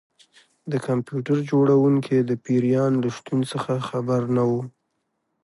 د کمپیوټر جوړونکی د پیریان له شتون څخه خبر نه و